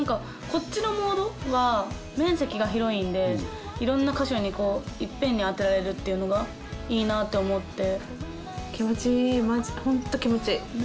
こっちのモードは面積が広いんでいろんな箇所にいっぺんに当てられるっていうのがいいなって思って。